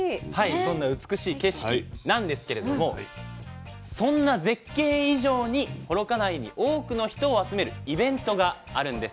そんな美しい景色なんですけれどもそんな絶景以上に幌加内に多くの人を集めるイベントがあるんです。